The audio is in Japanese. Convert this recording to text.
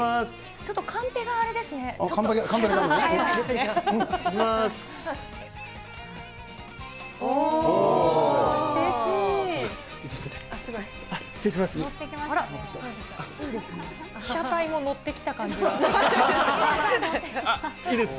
ちょっとカンペがあれですね、いきます。